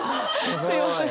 すみません。